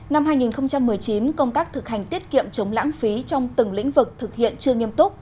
năm hai nghìn một mươi chín công tác thực hành tiết kiệm chống lãng phí trong từng lĩnh vực thực hiện chưa nghiêm túc